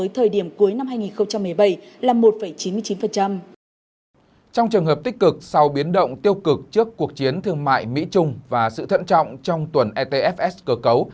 trong trường hợp tích cực sau biến động tiêu cực trước cuộc chiến thương mại mỹ trung và sự thận trọng trong tuần etfs cơ cấu